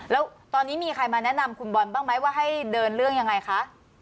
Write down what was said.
แล้วตอนนี้มีใครมาแนะนำคุณบอลบ้างไหมว่าให้เดินเรื่องยังไงคะ